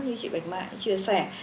như chị bạch mã đã chia sẻ